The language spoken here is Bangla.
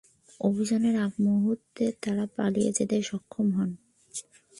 অভিযানের আগমুহূর্তে তাঁরা পালিয়ে যেতে সক্ষম হন।